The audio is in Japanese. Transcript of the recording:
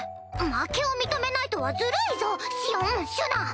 負けを認めないとはずるいぞシオンシュナ！